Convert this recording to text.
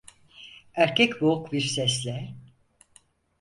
Erkek boğuk bir sesle: